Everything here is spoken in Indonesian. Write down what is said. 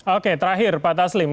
oke terakhir pak taslim